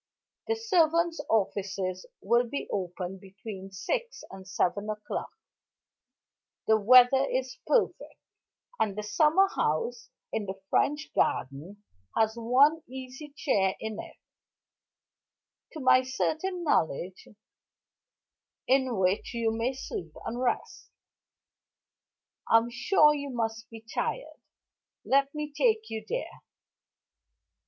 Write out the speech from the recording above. "The servants' offices will be opened between six and seven o'clock; the weather is perfect; and the summer house in the French Garden has one easy chair in it, to my certain knowledge, in which you may rest and sleep. I'm sure you must be tired let me take you there."